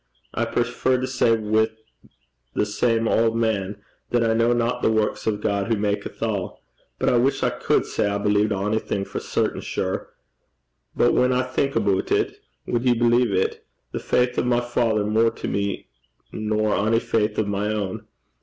I prefer to say, wi' the same auld man, that I know not the works of God who maketh all. But I wish I could say I believed onything for certain sure. But whan I think aboot it wad ye believe 't? the faith o' my father's mair to me nor ony faith o' my ain.